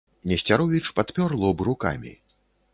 Несцяровіч падпёр лоб рукамі.